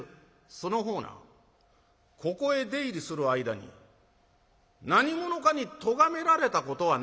「その方なここへ出入りする間に何者かにとがめられたことはないのか？」。